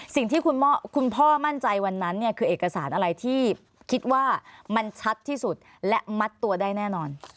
สิ่งที่คุณพ่อมั่นใจวันนั้นเนี่ยคือเอกสารอะไรที่คิดว่ามันชัดที่สุดและมัดตัวได้แน่นอน